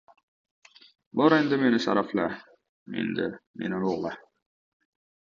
Bor, endi meni sharafla, endi meni ulug‘la